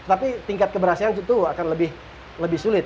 tapi tingkat keberhasilan itu akan lebih sulit